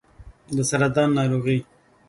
د سرطان ناروغي